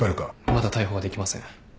まだ逮捕はできません。